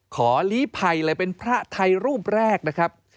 ขอลีภัยเลยเป็นพระไทยรูปแรกนะครับ